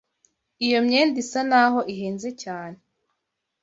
Iyo myenda isa naho ihenze cyane.